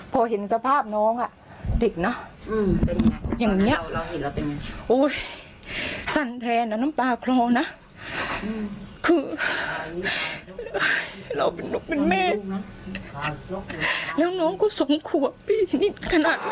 พอเห็นสภาพน้องอ่ะดิกเนอะอย่างเนี้ยสันแทนนะน้ำตาครอวนะคือเราเป็นนกเป็นเมฆแล้วน้องก็สมขัวพี่นิดขนาดน้ำตาอะไร